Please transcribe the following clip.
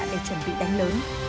để chuẩn bị đánh lớn